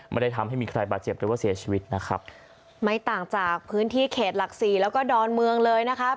ไม่ได้ทำให้มีใครบาดเจ็บหรือว่าเสียชีวิตนะครับไม่ต่างจากพื้นที่เขตหลักสี่แล้วก็ดอนเมืองเลยนะคะ